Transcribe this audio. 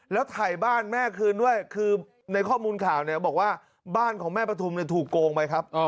แล้วถ่ายบ้านแม่คืนด้วยคือในข้อมูลข่าวเนี่ยบอกว่าบ้านของแม่ปฐุมถูกโกงไปครับ